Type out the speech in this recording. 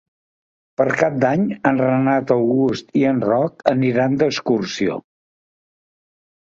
Per Cap d'Any en Renat August i en Roc aniran d'excursió.